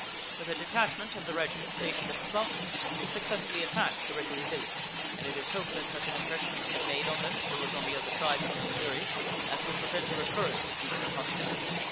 With a detachment of the regiment stationed at the Bluffs he successfully attacked the Ricaree village, and it is hoped that such an impression has been made on them as well as on the other tribes on the Missouri as will prevent a recurrence of future hostility.